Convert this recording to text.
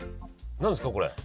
何ですかこれ？